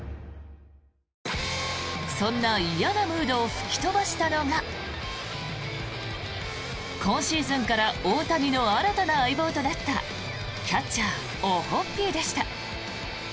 そんな嫌なムードを吹き飛ばしたのが今シーズンから大谷の新たな相棒となったキャッチャーオホッピーでした。